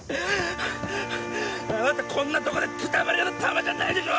あなたこんなとこでくたばるようなタマじゃないでしょ！